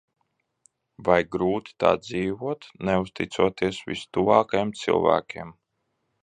Vai grūti tā dzīvot, neuzticoties vistuvākajiem cilvēkiem?